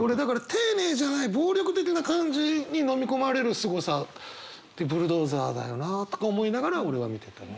丁寧じゃない暴力的な感じにのみ込まれるすごさってブルドーザーだよなとか思いながら俺は見てたね。